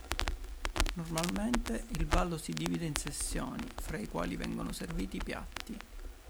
Normalmente il ballo si divide in sessioni, fra i quali vengono serviti piatti.